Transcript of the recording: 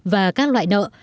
và các loại nợ